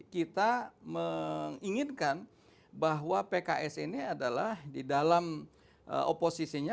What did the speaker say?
kita menginginkan bahwa pks ini adalah di dalam oposisinya